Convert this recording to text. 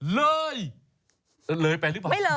เลยจะเลยไปหรือเปล่า